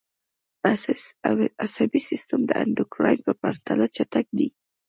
عصبي سیستم د اندوکراین په پرتله چټک دی